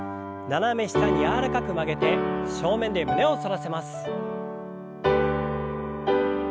斜め下に柔らかく曲げて正面で胸を反らせます。